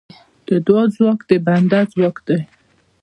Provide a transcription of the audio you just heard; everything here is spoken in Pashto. د دعا ځواک د بنده ځواک دی.